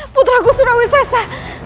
putraku surawi sese